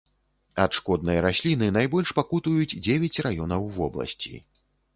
Ад шкоднай расліны найбольш пакутуюць дзевяць раёнаў вобласці.